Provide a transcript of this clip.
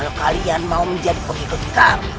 kalau kalian mau menjadi pengikut kita